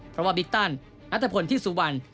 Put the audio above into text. เพราะว่าบิ๊กตันนัทพลที่สุวรรณ